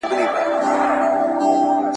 په غوجل کي چي تړلی نیلی آس وو ..